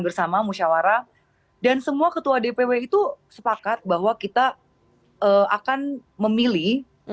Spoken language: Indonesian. bersama musyawarah dan semua ketua dpw itu sepakat bahwa kita akan memilih